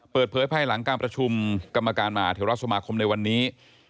เปิดเผยภายหลังการประชุมกรรมการมหาเทวรัฐสมาคมในวันนี้